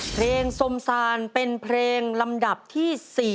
สมซานเป็นเพลงลำดับที่๔